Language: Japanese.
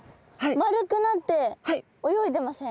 丸くなって泳いでません？